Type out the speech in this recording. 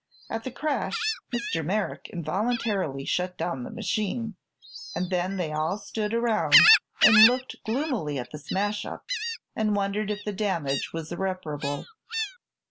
At the crash Mr. Merrick involuntarily shut down the machine, and then they all stood around and looked gloomily at the smash up and wondered if the damage was irreparable.